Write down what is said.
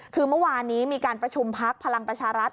คือเมื่อวานนี้มีการประชุมพักพลังประชารัฐ